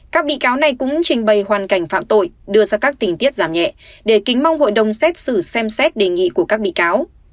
các bị cáo này cũng trình bày hoàn cảnh phạm tội đưa ra các tình tiết giảm nhẹ để kính mong hội đồng xét xử xem xét đề nghị của các bị cáo